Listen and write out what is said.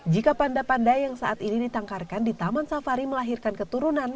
jika panda pandai yang saat ini ditangkarkan di taman safari melahirkan keturunan